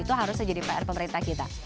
itu harusnya jadi pr pemerintah kita